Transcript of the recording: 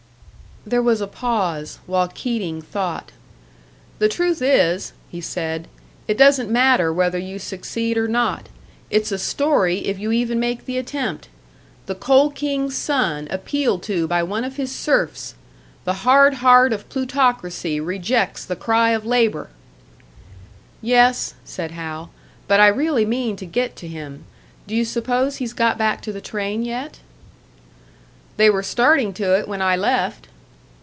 There was a pause, while Keating thought. "The truth is," he said, "it doesn't matter whether you succeed or not it's a story if you even make the attempt. The Coal King's son appealed to by one of his serfs! The hard heart of Plutocracy rejects the cry of Labour!" "Yes," said Hal, "but I really mean to get to him. Do you suppose he's got back to the train yet?" "They were starting to it when I left."